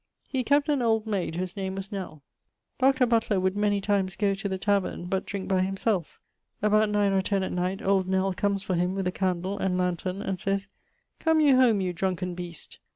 He kept an old mayd whose name was Nell. Dr. Butler would many times goe to the taverne, but drinke by himselfe. About 9 or 10 at night old Nell comes for him with a candle and lanthorne, and sayes 'Come you home, you drunken beast.'